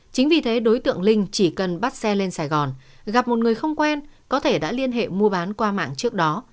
chính vì thế đối tượng linh chỉ cần bắt xe lên sài gòn gặp một người không quen có thể đã liên hệ mua bán qua mạng trước đó